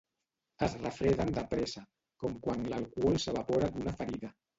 Es refreden de pressa, com quan l'alcohol s'evapora d'una ferida.